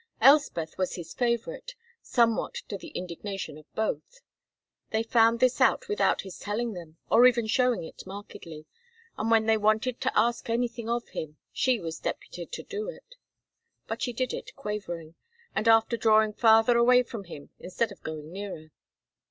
Elspeth was his favorite (somewhat to the indignation of both); they found this out without his telling them or even showing it markedly, and when they wanted to ask anything of him she was deputed to do it, but she did it quavering, and after drawing farther away from him instead of going nearer.